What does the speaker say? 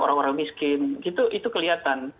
orang orang miskin itu kelihatan